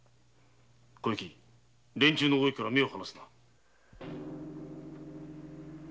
小雪連中の動きから目を離すな。